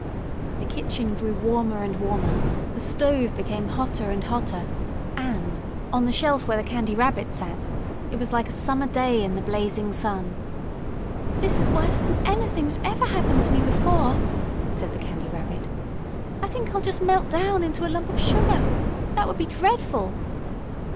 The kitchen grew warmer and warmer, the stove became hotter and hotter, and, on the shelf where the Candy Rabbit sat, it was like a summer day in the blazing sun. "This is worse than anything that ever happened to me before," said the Candy Rabbit. "I think I'll just melt down into a lump of sugar! That would be dreadful!"